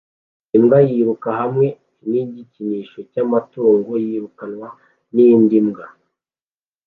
Imbwa yiruka hamwe nigikinisho cyamatungo yirukanwa nindi mbwa